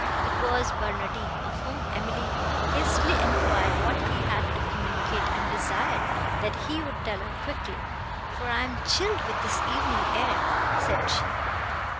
It was Barnardine, of whom Emily hastily enquired what he had to communicate, and desired, that he would tell her quickly, "for I am chilled with this evening air," said she.